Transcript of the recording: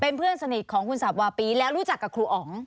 เพื่อนสนิทของคุณสับวาปีแล้วรู้จักกับครูอ๋อง